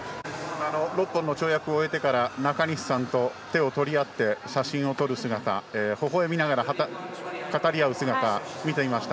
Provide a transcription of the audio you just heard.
６本の跳躍を終えてから中西さんと手を取り合って写真を撮る姿、ほほえみながら語り合う姿を見ていました。